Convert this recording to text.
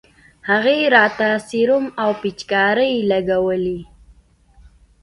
هغې راته سيروم او پيچکارۍ لګولې.